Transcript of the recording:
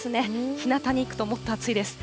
ひなたに行くともっと暑いです。